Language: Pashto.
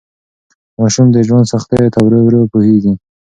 ماشوم د ژوند سختیو ته ورو ورو پوهیږي.